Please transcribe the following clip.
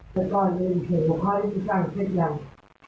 แต่ก่อนเองเห็นว่าขอได้สินค้าเซ็นยัง